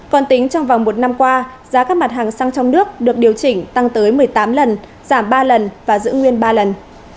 còn tính trong vòng một năm qua giá các mặt hàng xăng trong nước được điều chỉnh tăng tới một mươi tám lần giảm ba lần và giữ nguyên ba lần